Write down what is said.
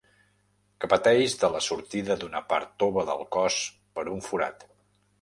Que pateix de la sortida d'una part tova del cos per un forat.